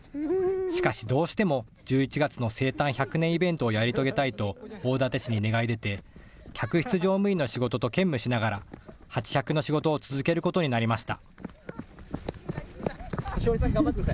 しかし、どうしても１１月の生誕１００年イベントをやり遂げたいと大館市に願い出て客室乗務員の仕事と兼務しながらハチ１００の仕事を続けることになりました。